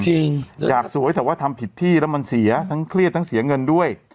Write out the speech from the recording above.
จริงอยากสวยแต่ว่าทำผิดที่แล้วมันเสียทั้งเครียดทั้งเสียเงินด้วย